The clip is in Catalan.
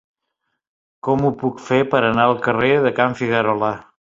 Com ho puc fer per anar al carrer de Can Figuerola?